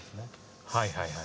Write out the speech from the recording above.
はいはいはい。